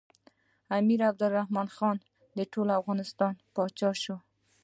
امیر عبدالرحمن خان د ټول افغانستان پاچا شو.